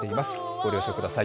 ご了承ください。